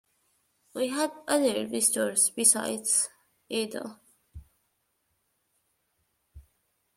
We had other visitors besides Ada.